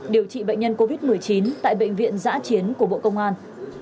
điều trị bệnh nhân covid một mươi chín tại bệnh viện giã chiến của bộ công an